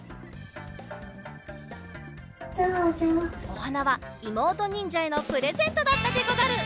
おはなはいもうとにんじゃへのプレゼントだったでござる！